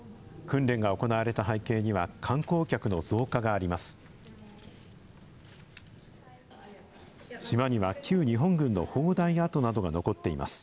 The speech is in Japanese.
訓練が行われた背景には、観光客の増加があります。